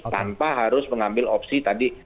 tanpa harus mengambil opsi tadi